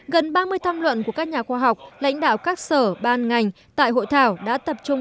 gần ba mươi tham luận của các nhà khoa học lãnh đạo các sở ban ngành tại hội thảo đã tập trung